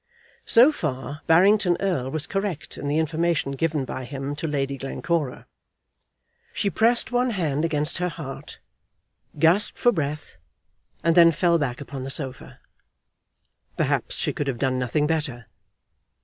So far, Barrington Erle was correct in the information given by him to Lady Glencora. She pressed one hand against her heart, gasped for breath, and then fell back upon the sofa. Perhaps she could have done nothing better.